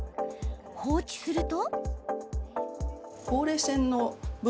放置すると。